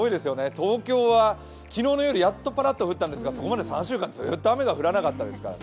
東京は昨日の夜やっとパラッと降ったんですがそこまで３週間ずっと雨が降らなかったですからね。